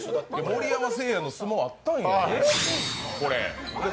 盛山、せいやの相撲あったんや。